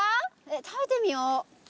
食べてみよう。